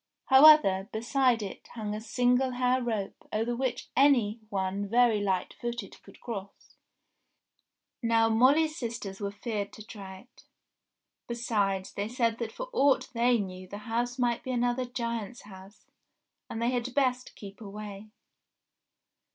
However, beside it, hung a Single Hair rope over which any one very light footed could cross. Now Molly's sisters were feared to try it ; besides they said that for aught they knew the house might be another giant's house, and they had best keep away.